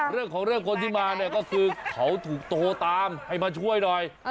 เรื่องของเรื่องคนที่มาเนี่ยก็คือเขาถูกโทรตามให้มาช่วยหน่อย